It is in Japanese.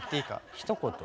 ひと言？